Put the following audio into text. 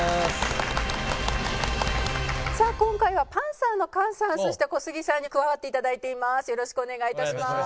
さあ今回はパンサーの菅さんそして小杉さんに加わって頂いています。